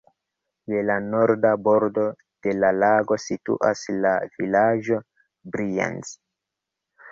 Je la norda bordo de la lago situas la vilaĝo Brienz.